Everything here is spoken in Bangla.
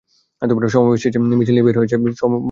সমাবেশ শেষে মিছিল নিয়ে বের হয়ে সমিতি ভবনে এসে শেষ হয়।